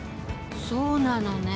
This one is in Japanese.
そうなのね。